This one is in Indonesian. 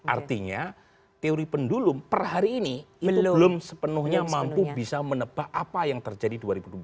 artinya teori pendulum per hari ini itu belum sepenuhnya mampu bisa menebak apa yang terjadi dua ribu dua puluh empat